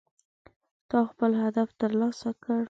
تا خپل هدف ترلاسه کړ